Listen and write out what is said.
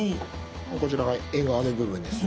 こちらがえんがわの部分ですね。